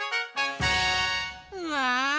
うわ！